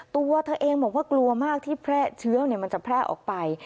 ตัวเธอเองบอกว่ากลัวมากที่แพร่เชื้อมันจะแพร่ออกไป